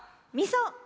「みそ」！